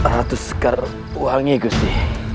ratu sekarwangi gusti